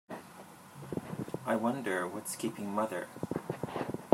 I wonder what's keeping mother?